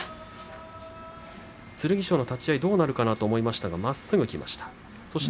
剣翔の立ち合い、どうなるかなと思いましたがまっすぐいきました。